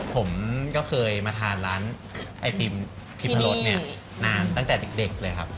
ผมก็เคยมาทานร้านไอติมทิพรสเนี่ยนานตั้งแต่เด็กเลยครับ